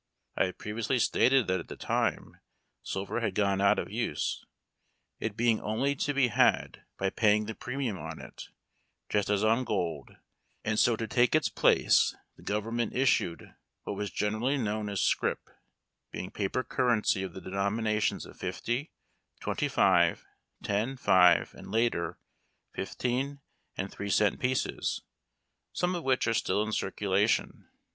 I have previously stated that at that time silver had gone out of use, it being only to be had by paying tlie premium on it, just as on gold, and so to take its place the government issued what was generally known as scrip, being paper currency of the denominations of fifty, twenty five, ten, five, and, later, fifteen and three cent pieces, some of which are still in cir culation.